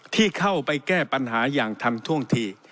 ที่เข้าไปแก้ปัญหาอย่างทันท่วงที